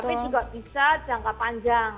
tapi juga bisa jangka panjang